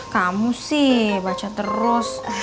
kamu sih baca terus